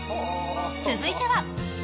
続いては。